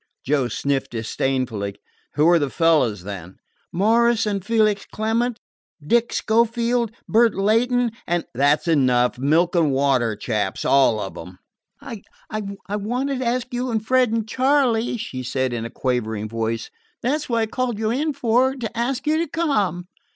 Joe sniffed disdainfully. "Who are the fellows, then?" "Maurice and Felix Clement, Dick Schofield, Burt Layton, and " "That 's enough. Milk and water chaps, all of them." "I I wanted to ask you and Fred and Charley," she said in a quavering voice. "That 's what I called you in for to ask you to come."